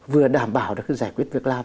vừa đảm bảo được giải quyết việc làm